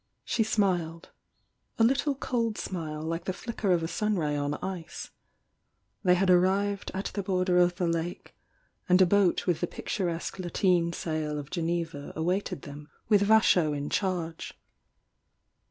She smiled, a little cold smile like the flicker of a sun ray on ice. They had arrived at the border of the lake, and a boat with the picturesque lateen sail of Geneva awaited them with Vaaho m charge.